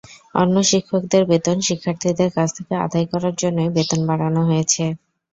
অন্য শিক্ষকদের বেতন শিক্ষার্থীদের কাছ থেকে আদায় করার জন্যই বেতন বাড়ানো হয়েছে।